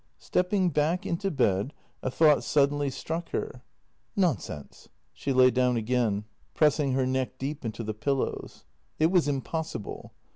Stepping back into bed, a thought suddenly struck her. JENNY 214 Nonsense! She lay down again, pressing her neck deep into the pillows. It was impossible.